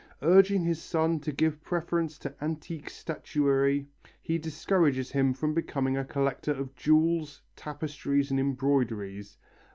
Urging his son to give preference to antique statuary, he discourages him from becoming a collector of jewels, tapestries and embroideries.